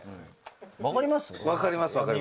分かります？